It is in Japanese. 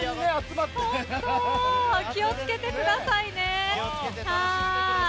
気を付けてくださいね。